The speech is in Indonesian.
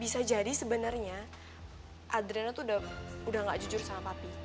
bisa jadi sebenarnya adriana tuh udah nggak jujur sama papi